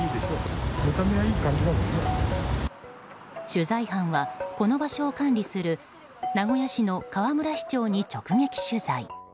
取材班は、この場所を管理する名古屋市の河村市長に直撃取材。